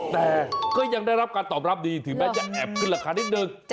แต่ก็ยังได้รับการตอบรับดีถึงแม้จะแอบขึ้นราคานิดนึง